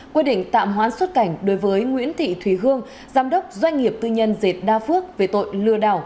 quy định tạm hoãn xuất cảnh đối với nguyễn thị thùy hương giám đốc doanh nghiệp tư nhân dệt đa phước về tội lừa đảo